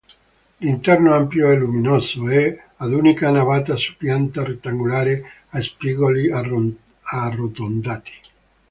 L'interno, ampio e luminoso, è ad unica navata su pianta rettangolare a spigoli arrotondati.